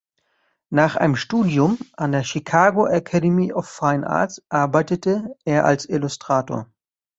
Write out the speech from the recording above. Nach einem Studium an der "Chicago Academy of Fine Arts" arbeitete er als Illustrator.